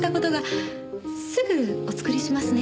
すぐお作りしますね。